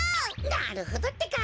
なるほどってか。